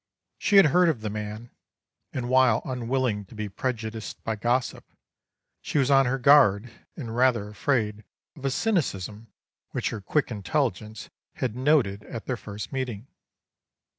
She had heard of the man, and while unwilling to be prejudiced by gossip, she was on her guard, and rather afraid of a cynicism which her quick intelligence had noted at their first meeting.